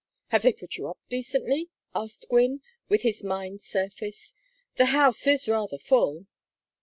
"Have they put you up decently?" asked Gwynne, with his mind's surface. "The house is rather full."